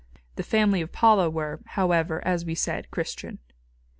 The family of Paula were, however, as we said, Christian.